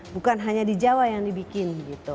bukan hanya di jawa yang dibikin